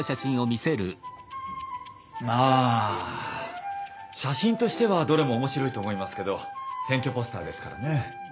ああ写真としてはどれも面白いと思いますけど選挙ポスターですからね。